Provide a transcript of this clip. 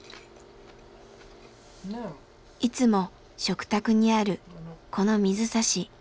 いつも食卓にあるこの水差し。